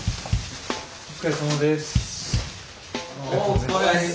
お疲れさまです。